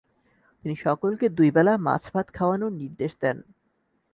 তিনি সকলকে দুইবেলা মাছ ভাত খাওয়ানোর নির্দেশ দেন।